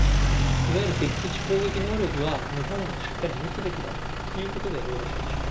いわゆる敵基地攻撃能力を日本もしっかり持つべきだということでよろしいんでしょうか。